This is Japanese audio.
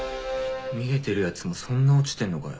見えてるヤツもそんな落ちてんのかよ。